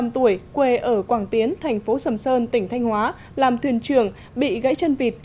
bốn mươi năm tuổi quê ở quảng tiến thành phố sầm sơn tỉnh thanh hóa làm thuyền trường bị gãy chân vịt